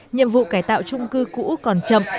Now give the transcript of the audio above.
nhiệm vụ cải tạo trung cư cũ còn chậm